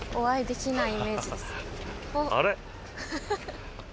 あれ？